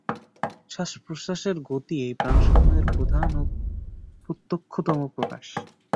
শ্বাসপ্রশ্বাসের গতি এই প্রাণসমূহের প্রধান ও প্রত্যক্ষতম প্রকাশ।